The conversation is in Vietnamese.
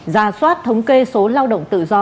gia soát thống kê số lao động tự do